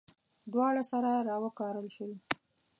دواړه سره راوکاره شول.